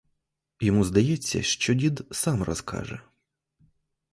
Йому здається, що дід сам розкаже.